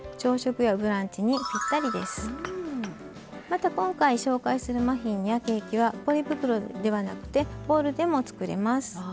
また今回紹介するマフィンやケーキはポリ袋ではなくてボウルでもつくれます。